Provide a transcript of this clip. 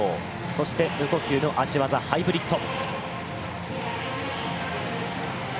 そして無呼吸の脚技ハイブリッド。